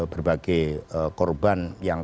berbagai korban yang